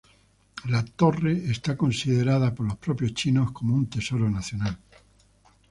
La torre se consideraba por los propios chinos como un tesoro nacional.